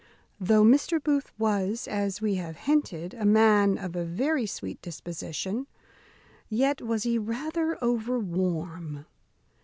Though Mr. Booth was, as we have hinted, a man of a very sweet disposition, yet was he rather overwarm.